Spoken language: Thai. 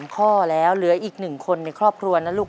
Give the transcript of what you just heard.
๓ข้อแล้วเหลืออีก๑คนในครอบครัวนะลูก